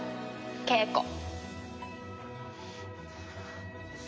稽古。